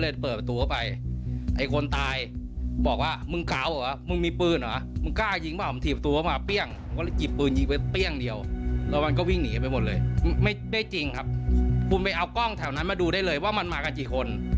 ดูได้เลยว่ามันมากันกันกี่คน